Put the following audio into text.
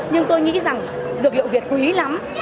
nhưng tôi nghĩ rằng dược liệu việt quý lắm